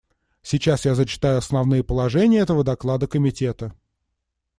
Сейчас я зачитаю основные положения этого доклада Комитета.